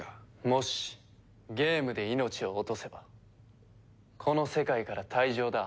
もしゲームで命を落とせばこの世界から退場だ。